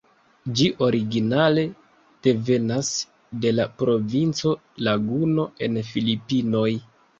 Ĝi originale devenas de la provinco Laguno en Filipinoj.